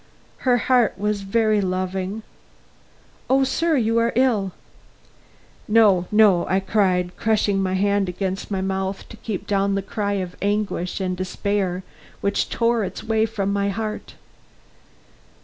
Her heart was very loving Oh, sir, you are ill!" "No, no," I cried, crushing my hand against my mouth to keep down the cry of anguish and despair which tore its way up from my heart.